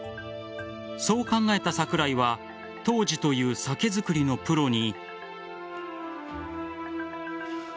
そう考えた桜井は杜氏という酒造りのプロに。